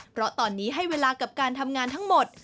เพราะตอนนี้ให้เวลากับการทำงานทั้งหมด